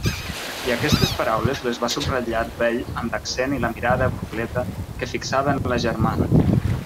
I aquestes paraules les va subratllar el vell amb l'accent i la mirada burleta que fixava en la germana.